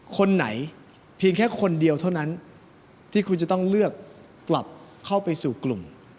คนไหนเพียงแค่คนเดียวเท่านั้นที่คุณจะต้องเลือกกลับเข้าไปสู่กลุ่ม